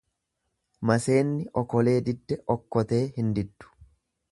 Maseenni okolee diddee okkotee hin diddu.